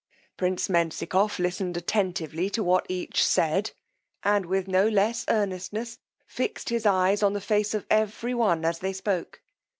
Prince Menzikoff listened attentively to what each said, and with no less earnestness fixed his eyes on the face of every one as they spoke.